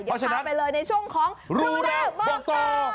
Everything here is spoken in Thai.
เดี๋ยวพาไปเลยในช่วงของรู้แรกบอกต่อ